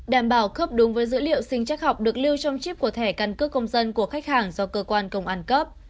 đảm bảo khớp đúng với dữ liệu sinh chắc học được lưu trong chip của thẻ căn cước công dân của khách hàng do cơ quan công an cấp